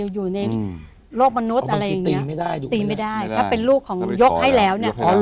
อยู่ในโลกมนุษย์อะไรอย่างนี้ตีไม่ได้ถ้าเป็นลูกของยกให้แล้วเนี่ย